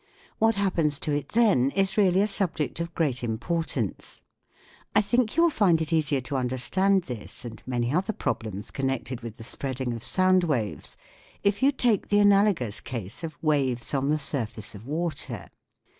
What happens to it then is really a subject of great importance. I think you will find it easier to understand this and many other problems connected with the spreading of sound waves if you take the analogous case of waves on the surface of water.